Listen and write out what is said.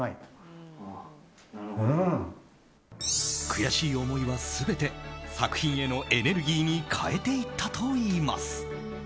悔しい思いは全て作品へのエネルギーに変えていったといいます。